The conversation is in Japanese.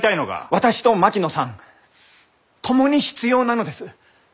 私と槙野さん共に必要なのです。